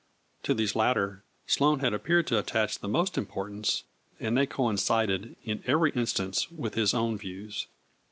To these latter Sloane had appeared to attach the most importance, and they coincided in every instance with his own views.